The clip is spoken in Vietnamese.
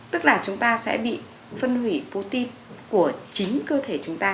tức là chúng ta sẽ bị phân hủy putin của chính cơ thể chúng ta